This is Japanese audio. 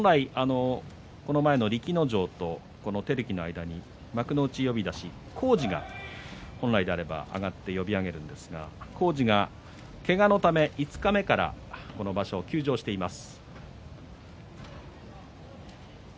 この前の利樹之丞と照喜の間に幕内呼出し本来であれば上がって呼び上げるんですがけがのため幸司が五日目からこの場所休場しています。